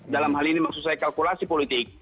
dalam hal ini maksud saya kalkulasi politik